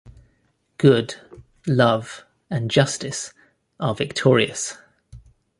Good, Love and Justice are victorious.